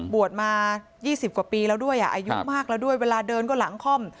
บวชมา๒๐กว่าปีแล้วด้วยอายุมากแล้วด้วยเวลาเดินก็หลังคล่อม